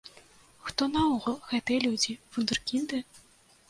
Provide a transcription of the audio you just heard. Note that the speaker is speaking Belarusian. Хто наогул гэтыя людзі, вундэркінды?